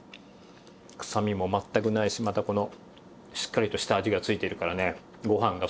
臭みもまったくないしまたこのしっかりとした味がついてるからご飯が進みますわ。